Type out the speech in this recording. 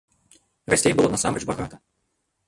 Гасцей было насамрэч багата.